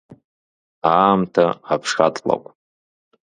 Аамҭа аԥшатлакә…